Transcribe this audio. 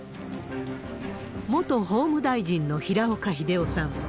元法務大臣の平岡秀夫さん。